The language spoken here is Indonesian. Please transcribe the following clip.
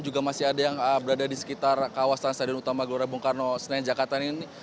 juga masih ada yang berada di sekitar kawasan stadion utama gelora bung karno senayan jakarta ini